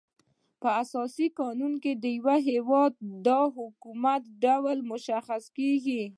په اساسي قانون کي د یو هيواد د حکومت ډول مشخص کيږي.